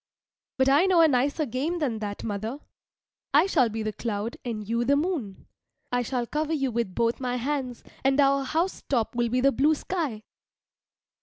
But I know a nicer game than that, mother. I shall be the cloud and you the moon. I shall cover you with both my hands, and our house top will be the blue sky.